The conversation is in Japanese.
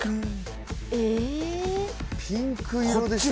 ピンク色でしょ？